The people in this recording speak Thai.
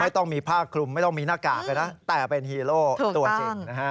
ต้องมีผ้าคลุมไม่ต้องมีหน้ากากเลยนะแต่เป็นฮีโร่ตัวจริงนะฮะ